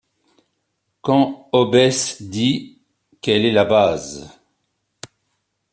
Quand Hobbes dit : Quelle est la base ?